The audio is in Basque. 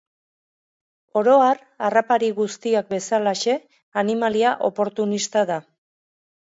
Oro har, harrapari guztiak bezalaxe, animalia oportunista da.